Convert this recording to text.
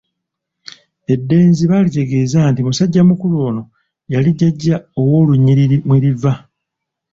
Eddenzi baalitegeeza nti musajja mukulu ono yali jjajja ow'olunyiriri mwe liva.